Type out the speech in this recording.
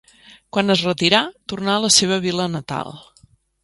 Quan es retirà tornà a la seva vila natal.